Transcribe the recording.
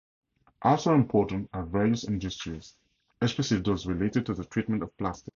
Also important are various industries, especially those related to the treatment of plastic.